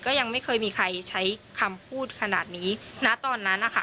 ยังไม่เคยมีใครใช้คำพูดขนาดนี้ณตอนนั้นนะคะ